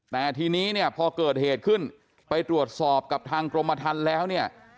แต่ทีนี้เนี่ยพอเกิดเหตุขึ้นไปตรวจสอบกับทางกรมทันแล้วเนี่ย